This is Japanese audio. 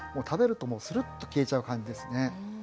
食べるともうするっと消えちゃう感じですね。